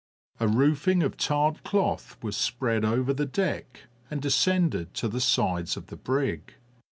A roofing of tarred cloth was spread over the deck and descended to the sides of the brig.